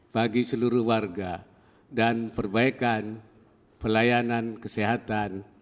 bagi seluruh warga dan perbaikan pelayanan kesehatan